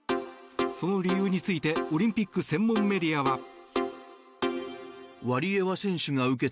その理由についてオリンピック専門メディアは。